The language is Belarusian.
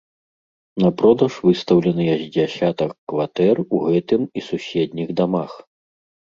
На продаж выстаўленыя з дзясятак кватэр у гэтым і суседніх дамах.